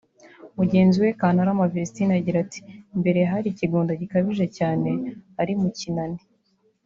Mugenzi we Kantarama Vestine agira ati “Mbere hari ikigunda gikabije cyane ari mu kinani